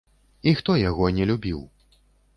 І хто яго не любіў?